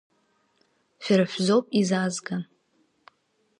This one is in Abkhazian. Шәара шәзоуп изаазга.